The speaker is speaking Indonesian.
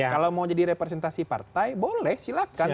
kalau mau jadi representasi partai boleh silakan